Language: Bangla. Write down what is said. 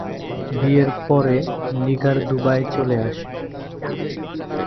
বিয়ের পরে নিগার দুবাইয়ে চলে আসেন।